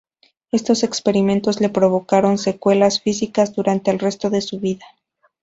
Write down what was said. Estos experimentos le provocaron secuelas físicas durante el resto de su vida.